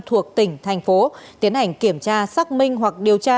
thuộc tỉnh thành phố tiến hành kiểm tra xác minh hoặc điều tra